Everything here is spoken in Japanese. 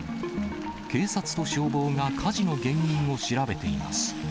警察と消防が火事の原因を調べています。